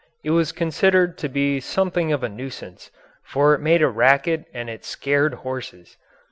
It was considered to be something of a nuisance, for it made a racket and it scared horses.